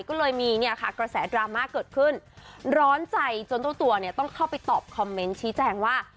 ก็เลยมีเนี่ยค่ะกระแสดราม่าเกิดขึ้นร้อนใจจนเจ้าตัวเนี่ยต้องเข้าไปตอบคอมเมนต์ชี้แจงว่า